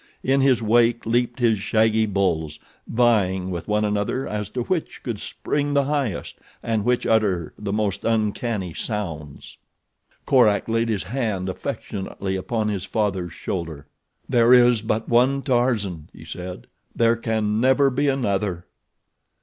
In his wake leaped his shaggy bulls, vying with one another as to which could spring the highest and which utter the most uncanny sounds. Korak laid his hand affectionately upon his father's shoulder. "There is but one Tarzan," he said. "There can never be another."